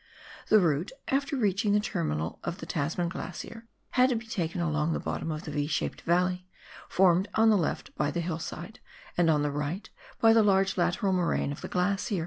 The route, after reaching the terminal of the Tasman Glacier, had to be taken along the bottom of the V shaped valley, formed on the left by the hillside, and on the right by the huge lateral moraine of the glacier.